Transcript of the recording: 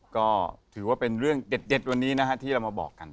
ก็ถือว่าเป็นเรื่องเด็ดวันนี้นะฮะที่เรามาบอกกัน